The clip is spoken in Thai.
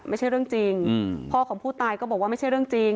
ไม่ใช่เรื่องจริงพ่อของผู้ตายก็บอกว่าไม่ใช่เรื่องจริง